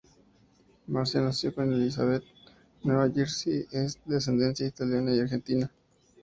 Marisa nació en Elizabeth, Nueva Jersey es de ascendencia italiana y argentina.